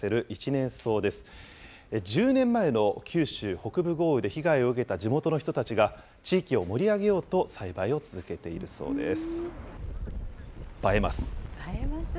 １０年前の九州北部豪雨で被害を受けた地元の人たちが地域を盛り上げようと、栽培を続けているそうです。